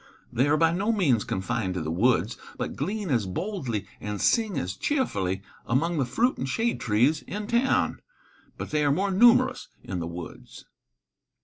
They are by no means confined to the woods, but glean as boldly and sing as cheerfully among the fruit and shade trees in town, but they are more numerous in the woods.